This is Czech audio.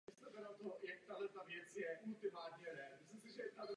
Ráda bych začala několika drobnostmi, ve kterých s ním nesouhlasím.